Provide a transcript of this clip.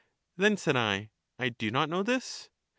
Then, said I, I do not know this.